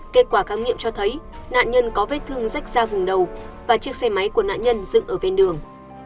kết quả khám nghiệm cho thấy nạn nhân có vết thương rách ra vùng đầu và chiếc xe máy của nạn nhân dựng ở ven đường